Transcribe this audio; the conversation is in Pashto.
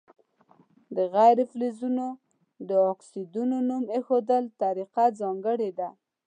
د غیر فلزونو د اکسایدونو نوم ایښودلو طریقه ځانګړې ده.